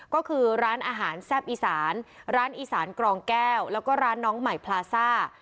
ก็คือร้านอาหารแซ่บอีสานร้านอีสานกรองแก้วแล้วก็ร้านน้องใหม่พลาซ่า